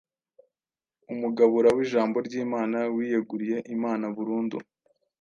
Umugabura w’Ijambo ry’Imana wiyeguriye Imana burundu.